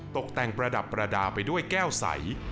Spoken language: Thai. ตกแต่งประดับประดาษไปด้วยแก้วใส